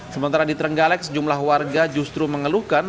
sementara di trenggalek sejumlah warga justru mengeluhkan